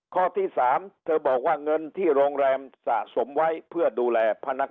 ข้อที่๓เธอบอกว่าเงินที่โรงแรมสะสมไว้เพื่อดูแลพนักงาน